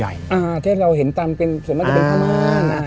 อ่าให้เราเห็นตามเป็นส่วนมากจะเป็นผ้าม่าน